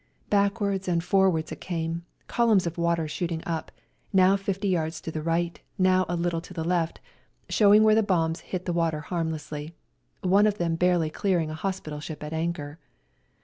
Backwards and forwards it came, columns of water shooting up, now 50 yards to the right, now a little to the left, showing where the bombs hit the water harmlessly, one of them barely clearing a hospital ship at anchor.